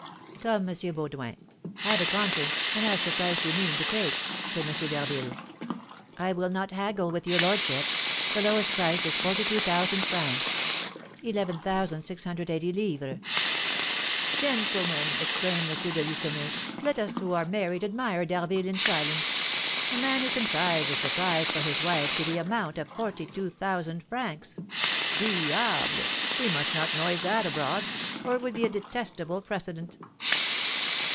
"Come, M. Baudoin, have a conscience, and ask the price you mean to take!" said M. d'Harville. "I will not haggle with your lordship. The lowest price is forty two thousand francs (11,680_l._)." "Gentlemen," exclaimed M. de Lucenay, "let us who are married admire D'Harville in silence. A man who contrives a surprise for his wife to the amount of forty two thousand francs! Diable! we must not noise that abroad, or it would be a detestable precedent."